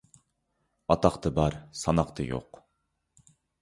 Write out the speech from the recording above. ئاتاقتا بار، ساناقتا يوق.